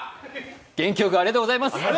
元気よくありがとうございます。